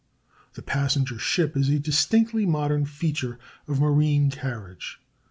] The passenger ship is a distinctly modern feature of marine carriage.